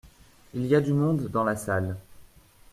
Il y a du monde dans la salle.